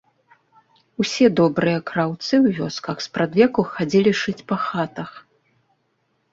Усе добрыя краўцы ў вёсках спрадвеку хадзілі шыць па хатах.